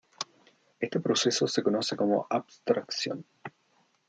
Este proceso se conoce como abstracción.